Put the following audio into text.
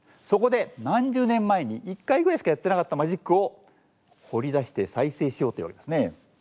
そこで何十年前に一回ぐらいしかやってなかったマジックを掘り出して再生しようっていうわけですね。